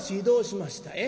どうしました？